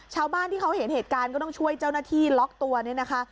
ชาวบ้านที่เขาเห็นเหตุการณ์ก็ต้องช่วยเจ้าหน้าที่ล็อกตัวเนี่ยนะคะ